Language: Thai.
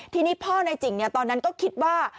ทีนี้พ่อนายจิ่งตอนนั้นก็คิดว่า